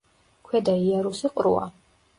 ქვედა იარუსი ყრუა.